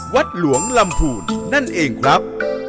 วัดหลวงลำพูนนั่นเองครับ